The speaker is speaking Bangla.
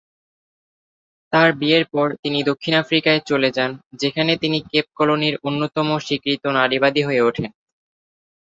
তার বিয়ের পর, তিনি দক্ষিণ আফ্রিকায় চলে যান, যেখানে তিনি কেপ কলোনির অন্যতম স্বীকৃত নারীবাদী হয়ে ওঠেন।